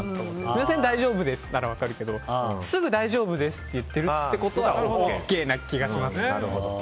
すみません、大丈夫ですなら分かるけどすぐ大丈夫って言うということはＯＫな気がしますね。